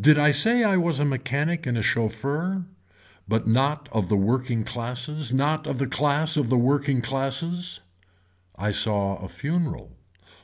Did I say I was a mechanic and a chauffeur but not of the working classes not of the class of the working classes. I saw a funeral.